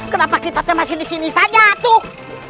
kenapa kita kemasin di sini saja tuh